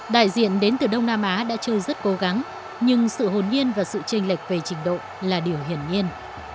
đại diện đến từ đông nam á đã chưa rất cố gắng nhưng sự hồn nhiên và sự tranh lệch về trình độ là điều hiển nhiên